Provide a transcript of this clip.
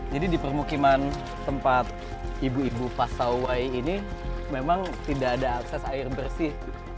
jadi di permukiman tempat ibu ibu pasawai ini memang tidak ada akses air bersih